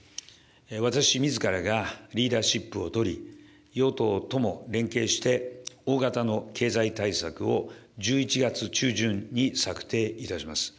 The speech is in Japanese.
私みずからがリーダーシップを執り、与党とも連携して、大型の経済対策を１１月中旬に策定いたします。